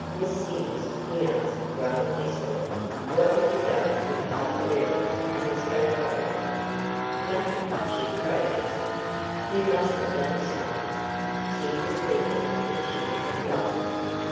"Miss Sears," he asked rather testily, "what have you done with the hypodermic and the scopolamine?" "Nothing," she protested. "You must have done something." She repeated that she had not.